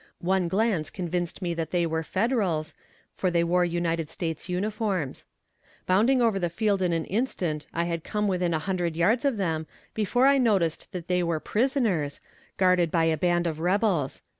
One glance convinced me that they were Federals, for they wore United States uniform. Bounding over the field in an instant I had come within a hundred yards of them before I noticed that they were prisoners, guarded by a band of rebels.